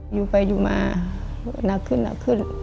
อยู่ไปอยู่มาหนักขึ้นหนักขึ้น